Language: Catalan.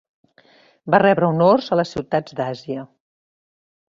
Va rebre honors a les ciutats d'Àsia.